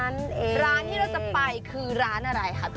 ร้านที่เราจะไปคือร้านอะไรคะพี่